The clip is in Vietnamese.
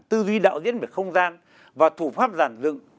tư duy đạo diễn về không gian và thủ pháp giản dựng